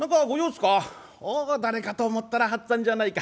「おお誰かと思ったら八っつぁんじゃないか。